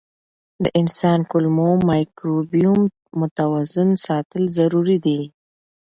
د انسان کولمو مایکروبیوم متوازن ساتل ضروري دي.